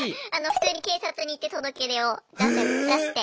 普通に警察に行って届け出を出して。